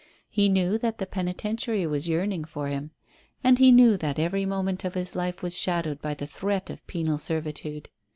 He knew that the penitentiary was yearning for him; and he knew that every moment of his life was shadowed by the threat of penal servitude.